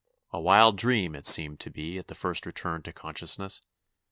A wild dream it seemed to be at the first return to consciousness.